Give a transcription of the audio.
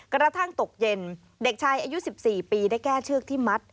กระทั่งตกเย็นเด็กชายอายุ๑๔ปีได้แก้เชือกที่มัด